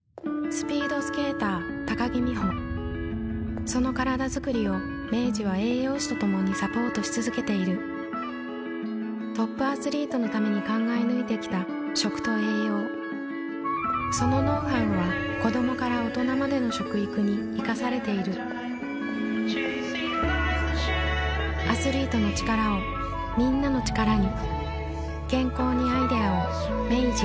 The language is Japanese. スピードスケーター木美帆そのカラダづくりを明治は栄養士と共にサポートし続けているトップアスリートのために考え抜いてきた食と栄養そのノウハウは子どもから大人までの食育に生かされているアスリートの力をみんなの力に健康にアイデアを明治